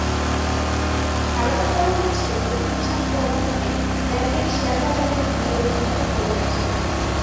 ধারণা করা হচ্ছে, নতুন হিসাব পদ্ধতিতে ব্যাংকের শেয়ারবাজারে বিনিয়োগ কিছুটা কমে আসবে।